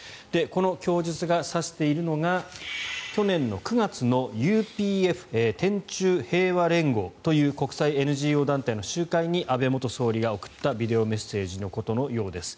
この供述が指しているのが去年の９月のＵＰＦ・天宙平和連合の国際ＮＧＯ団体の集会に安倍元総理が送ったビデオメッセージのようです。